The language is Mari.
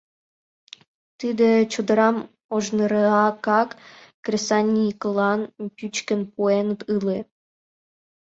Тиде чодырам ожныракак кресаньыклан пӱчкын пуэныт ыле.